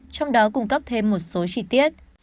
trong đó cung cấp thêm một số chi tiết